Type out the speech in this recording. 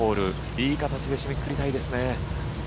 いい形で締めくくりたいですね。